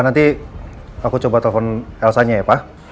nanti aku coba telepon elsa nya ya pak